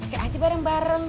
pakai aja bareng bareng